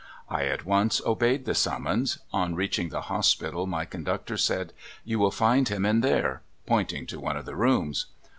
I at once obeyed the summons. On reaching the hospital my conductor said, '• You will tind him in there," pointing to one of the rooms.